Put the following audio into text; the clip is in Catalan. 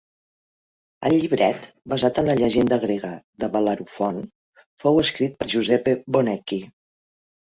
El llibret, basat en la llegenda grega de Bel·lerofont, fou escrit per Giuseppe Bonecchi.